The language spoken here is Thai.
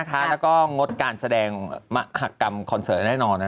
แล้วก็งดการแสดงมหากรรมคอนเสิร์ตแน่นอน